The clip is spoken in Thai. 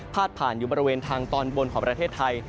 ผ่านอยู่บริเวณทางตอนบนของประเทศไทย